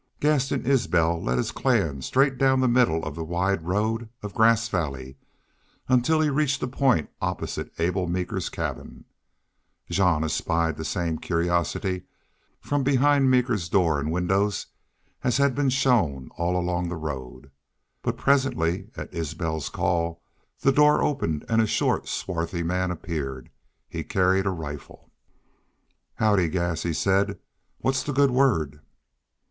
Gaston Isbel led his clan straight down the middle of the wide road of Grass Valley until he reached a point opposite Abel Meeker's cabin. Jean espied the same curiosity from behind Meeker's door and windows as had been shown all along the road. But presently, at Isbel's call, the door opened and a short, swarthy man appeared. He carried a rifle. "Howdy, Gass!" he said. "What's the good word?"